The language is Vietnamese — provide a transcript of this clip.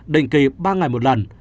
định kỳ ba ngày một lần